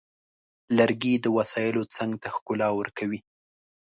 لرګی د وسایلو څنګ ته ښکلا زیاتوي.